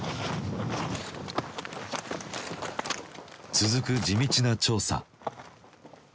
続く地道な調査。